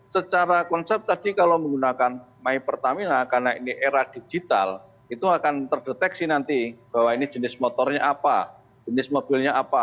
secara konsep tadi kalau menggunakan my pertamina karena ini era digital itu akan terdeteksi nanti bahwa ini jenis motornya apa jenis mobilnya apa